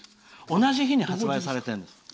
同じ日に発売されてるんです。